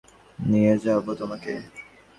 আমি আপনাকে গাড়িতে ফিরিয়ে নিয়ে যাব।